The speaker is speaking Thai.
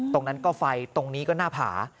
ตรงนั้นก็ไฟตรงนี้ก็หน้าผา